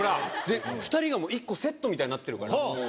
２人が１個セットみたいになってるから。